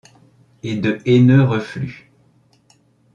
Et de haineux reflux ;